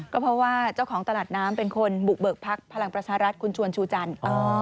ก็เพราะว่าเจ้าของตลาดน้ำเป็นคนบุกเบิกพักพลังประชารัฐคุณชวนชูจันทร์